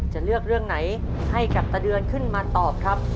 จะเลือกเรื่องไหนให้กับตะเดือนขึ้นมาตอบครับ